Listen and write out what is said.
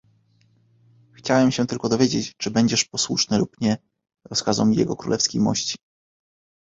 "Chciałem się tylko dowiedzieć, czy będziesz posłuszny lub nie rozkazom Jego królewskiej mości!"